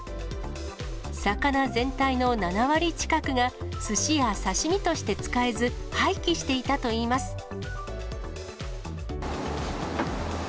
魚全体の７割近くが、すしや刺身として使えず、廃棄していたといいます。